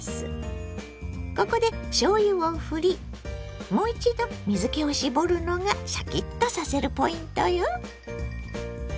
ここでしょうゆをふりもう一度水けを絞るのがシャキッとさせるポイントよ。